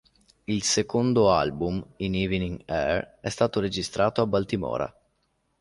Il secondo album "In Evening Air" è stato registrato a Baltimora.